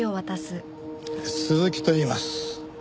鈴木といいます。